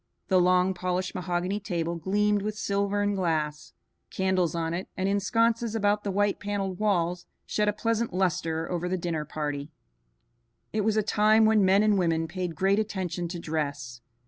The long polished mahogany table gleamed with silver and glass. Candles on it and in sconces about the white paneled walls shed a pleasant lustre over the dinner party. It was a time when men and women paid great attention to dress.